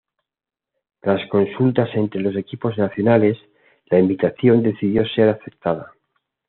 Tras consultas entre los equipos nacionales, la invitación decidió ser aceptada.